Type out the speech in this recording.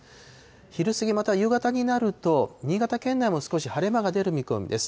昼過ぎ、または夕方になると、新潟県内も少し晴れ間が出る見込みです。